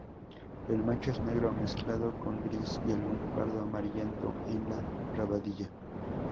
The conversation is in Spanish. El macho es negro mezclado con gris y algún pardo amarillento en la rabadilla.